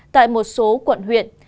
tại một số quận huyện